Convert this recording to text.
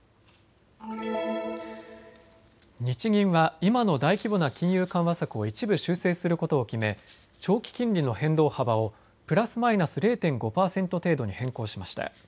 日銀は今の大規模な金融緩和策を一部修正することを決め長期金利の変動幅をプラスマイナス０．５％程度に変更しました。